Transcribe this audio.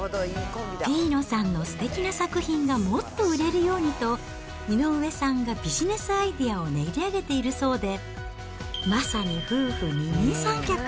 ピーノさんのすてきな作品がもっと売れるようにと、井上さんがビジネスアイデアを練り上げているそうで、まさに夫婦二人三脚。